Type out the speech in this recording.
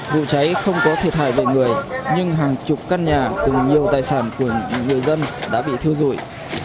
vụ cháy không có thiệt hại về người nhưng hàng chục căn nhà cùng nhiều tài sản của người dân đã bị thiêu dụi